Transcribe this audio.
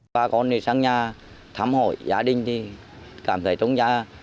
cha con đi sang nhà thăm hỏi gia đình thì cảm thấy trong nhà